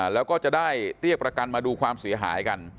แล้วก็จะได้เรียกประกันมาดูความเสียหายกัน